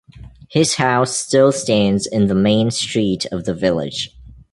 His house still stands in the main street of the village.